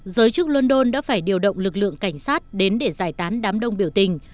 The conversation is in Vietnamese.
giới chức london đã phải điều động lực lượng cảnh sát đến để giải tán đám đông biểu tình